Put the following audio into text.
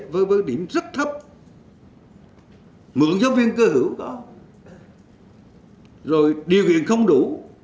với điểm rất thấp mượn giáo viên cơ hữu có rồi điều kiện không đủ